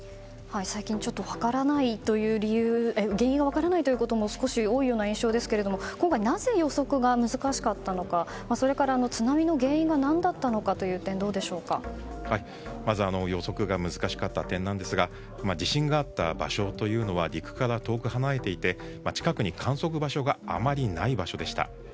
最近ちょっと原因が分からないということも少し多いような印象ですが今回なぜ予測が難しかったのかそれから津波の原因が何だったのかという点まず予測が難しかった点なんですが地震があった場所というのは陸から遠く離れていて近くに観測場所があまりない場所でした。